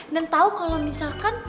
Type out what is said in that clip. dan tau kalau misalkan